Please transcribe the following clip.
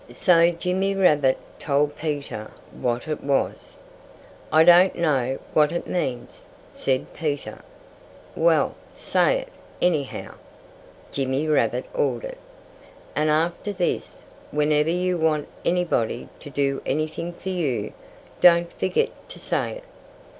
So Jimmy Rabbit told Peter what it was. "I don't know what it means," said Peter. "Well say it, anyhow!" Jimmy Rabbit ordered. "And after this, whenever you want anybody to do anything for you, don't forget to say it!